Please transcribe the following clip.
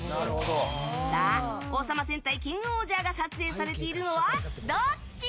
さあ「王様戦隊キングオージャー」が撮影されているのはどっち？